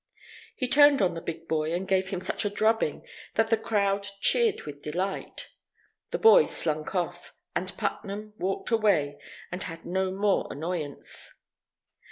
He turned on the big boy, and gave him such a drubbing that the crowd cheered with delight. The boy slunk off, and Putnam walked away and had no more annoyance.